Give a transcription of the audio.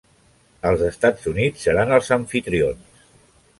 Els Estats Units seran els amfitrions.